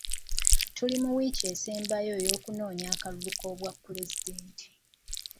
Tuli mu wiiki esembayo ey'okunoonya akalulu k'obwa pulezidenti.